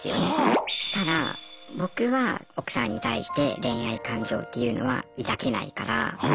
ただ僕は奥さんに対して恋愛感情っていうのは抱けないから。